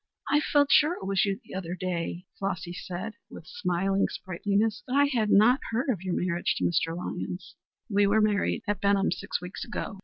"I felt sure it was you the other day," Flossy said with smiling sprightliness, "but I had not heard of your marriage to Mr. Lyons." "We were married at Benham six weeks ago.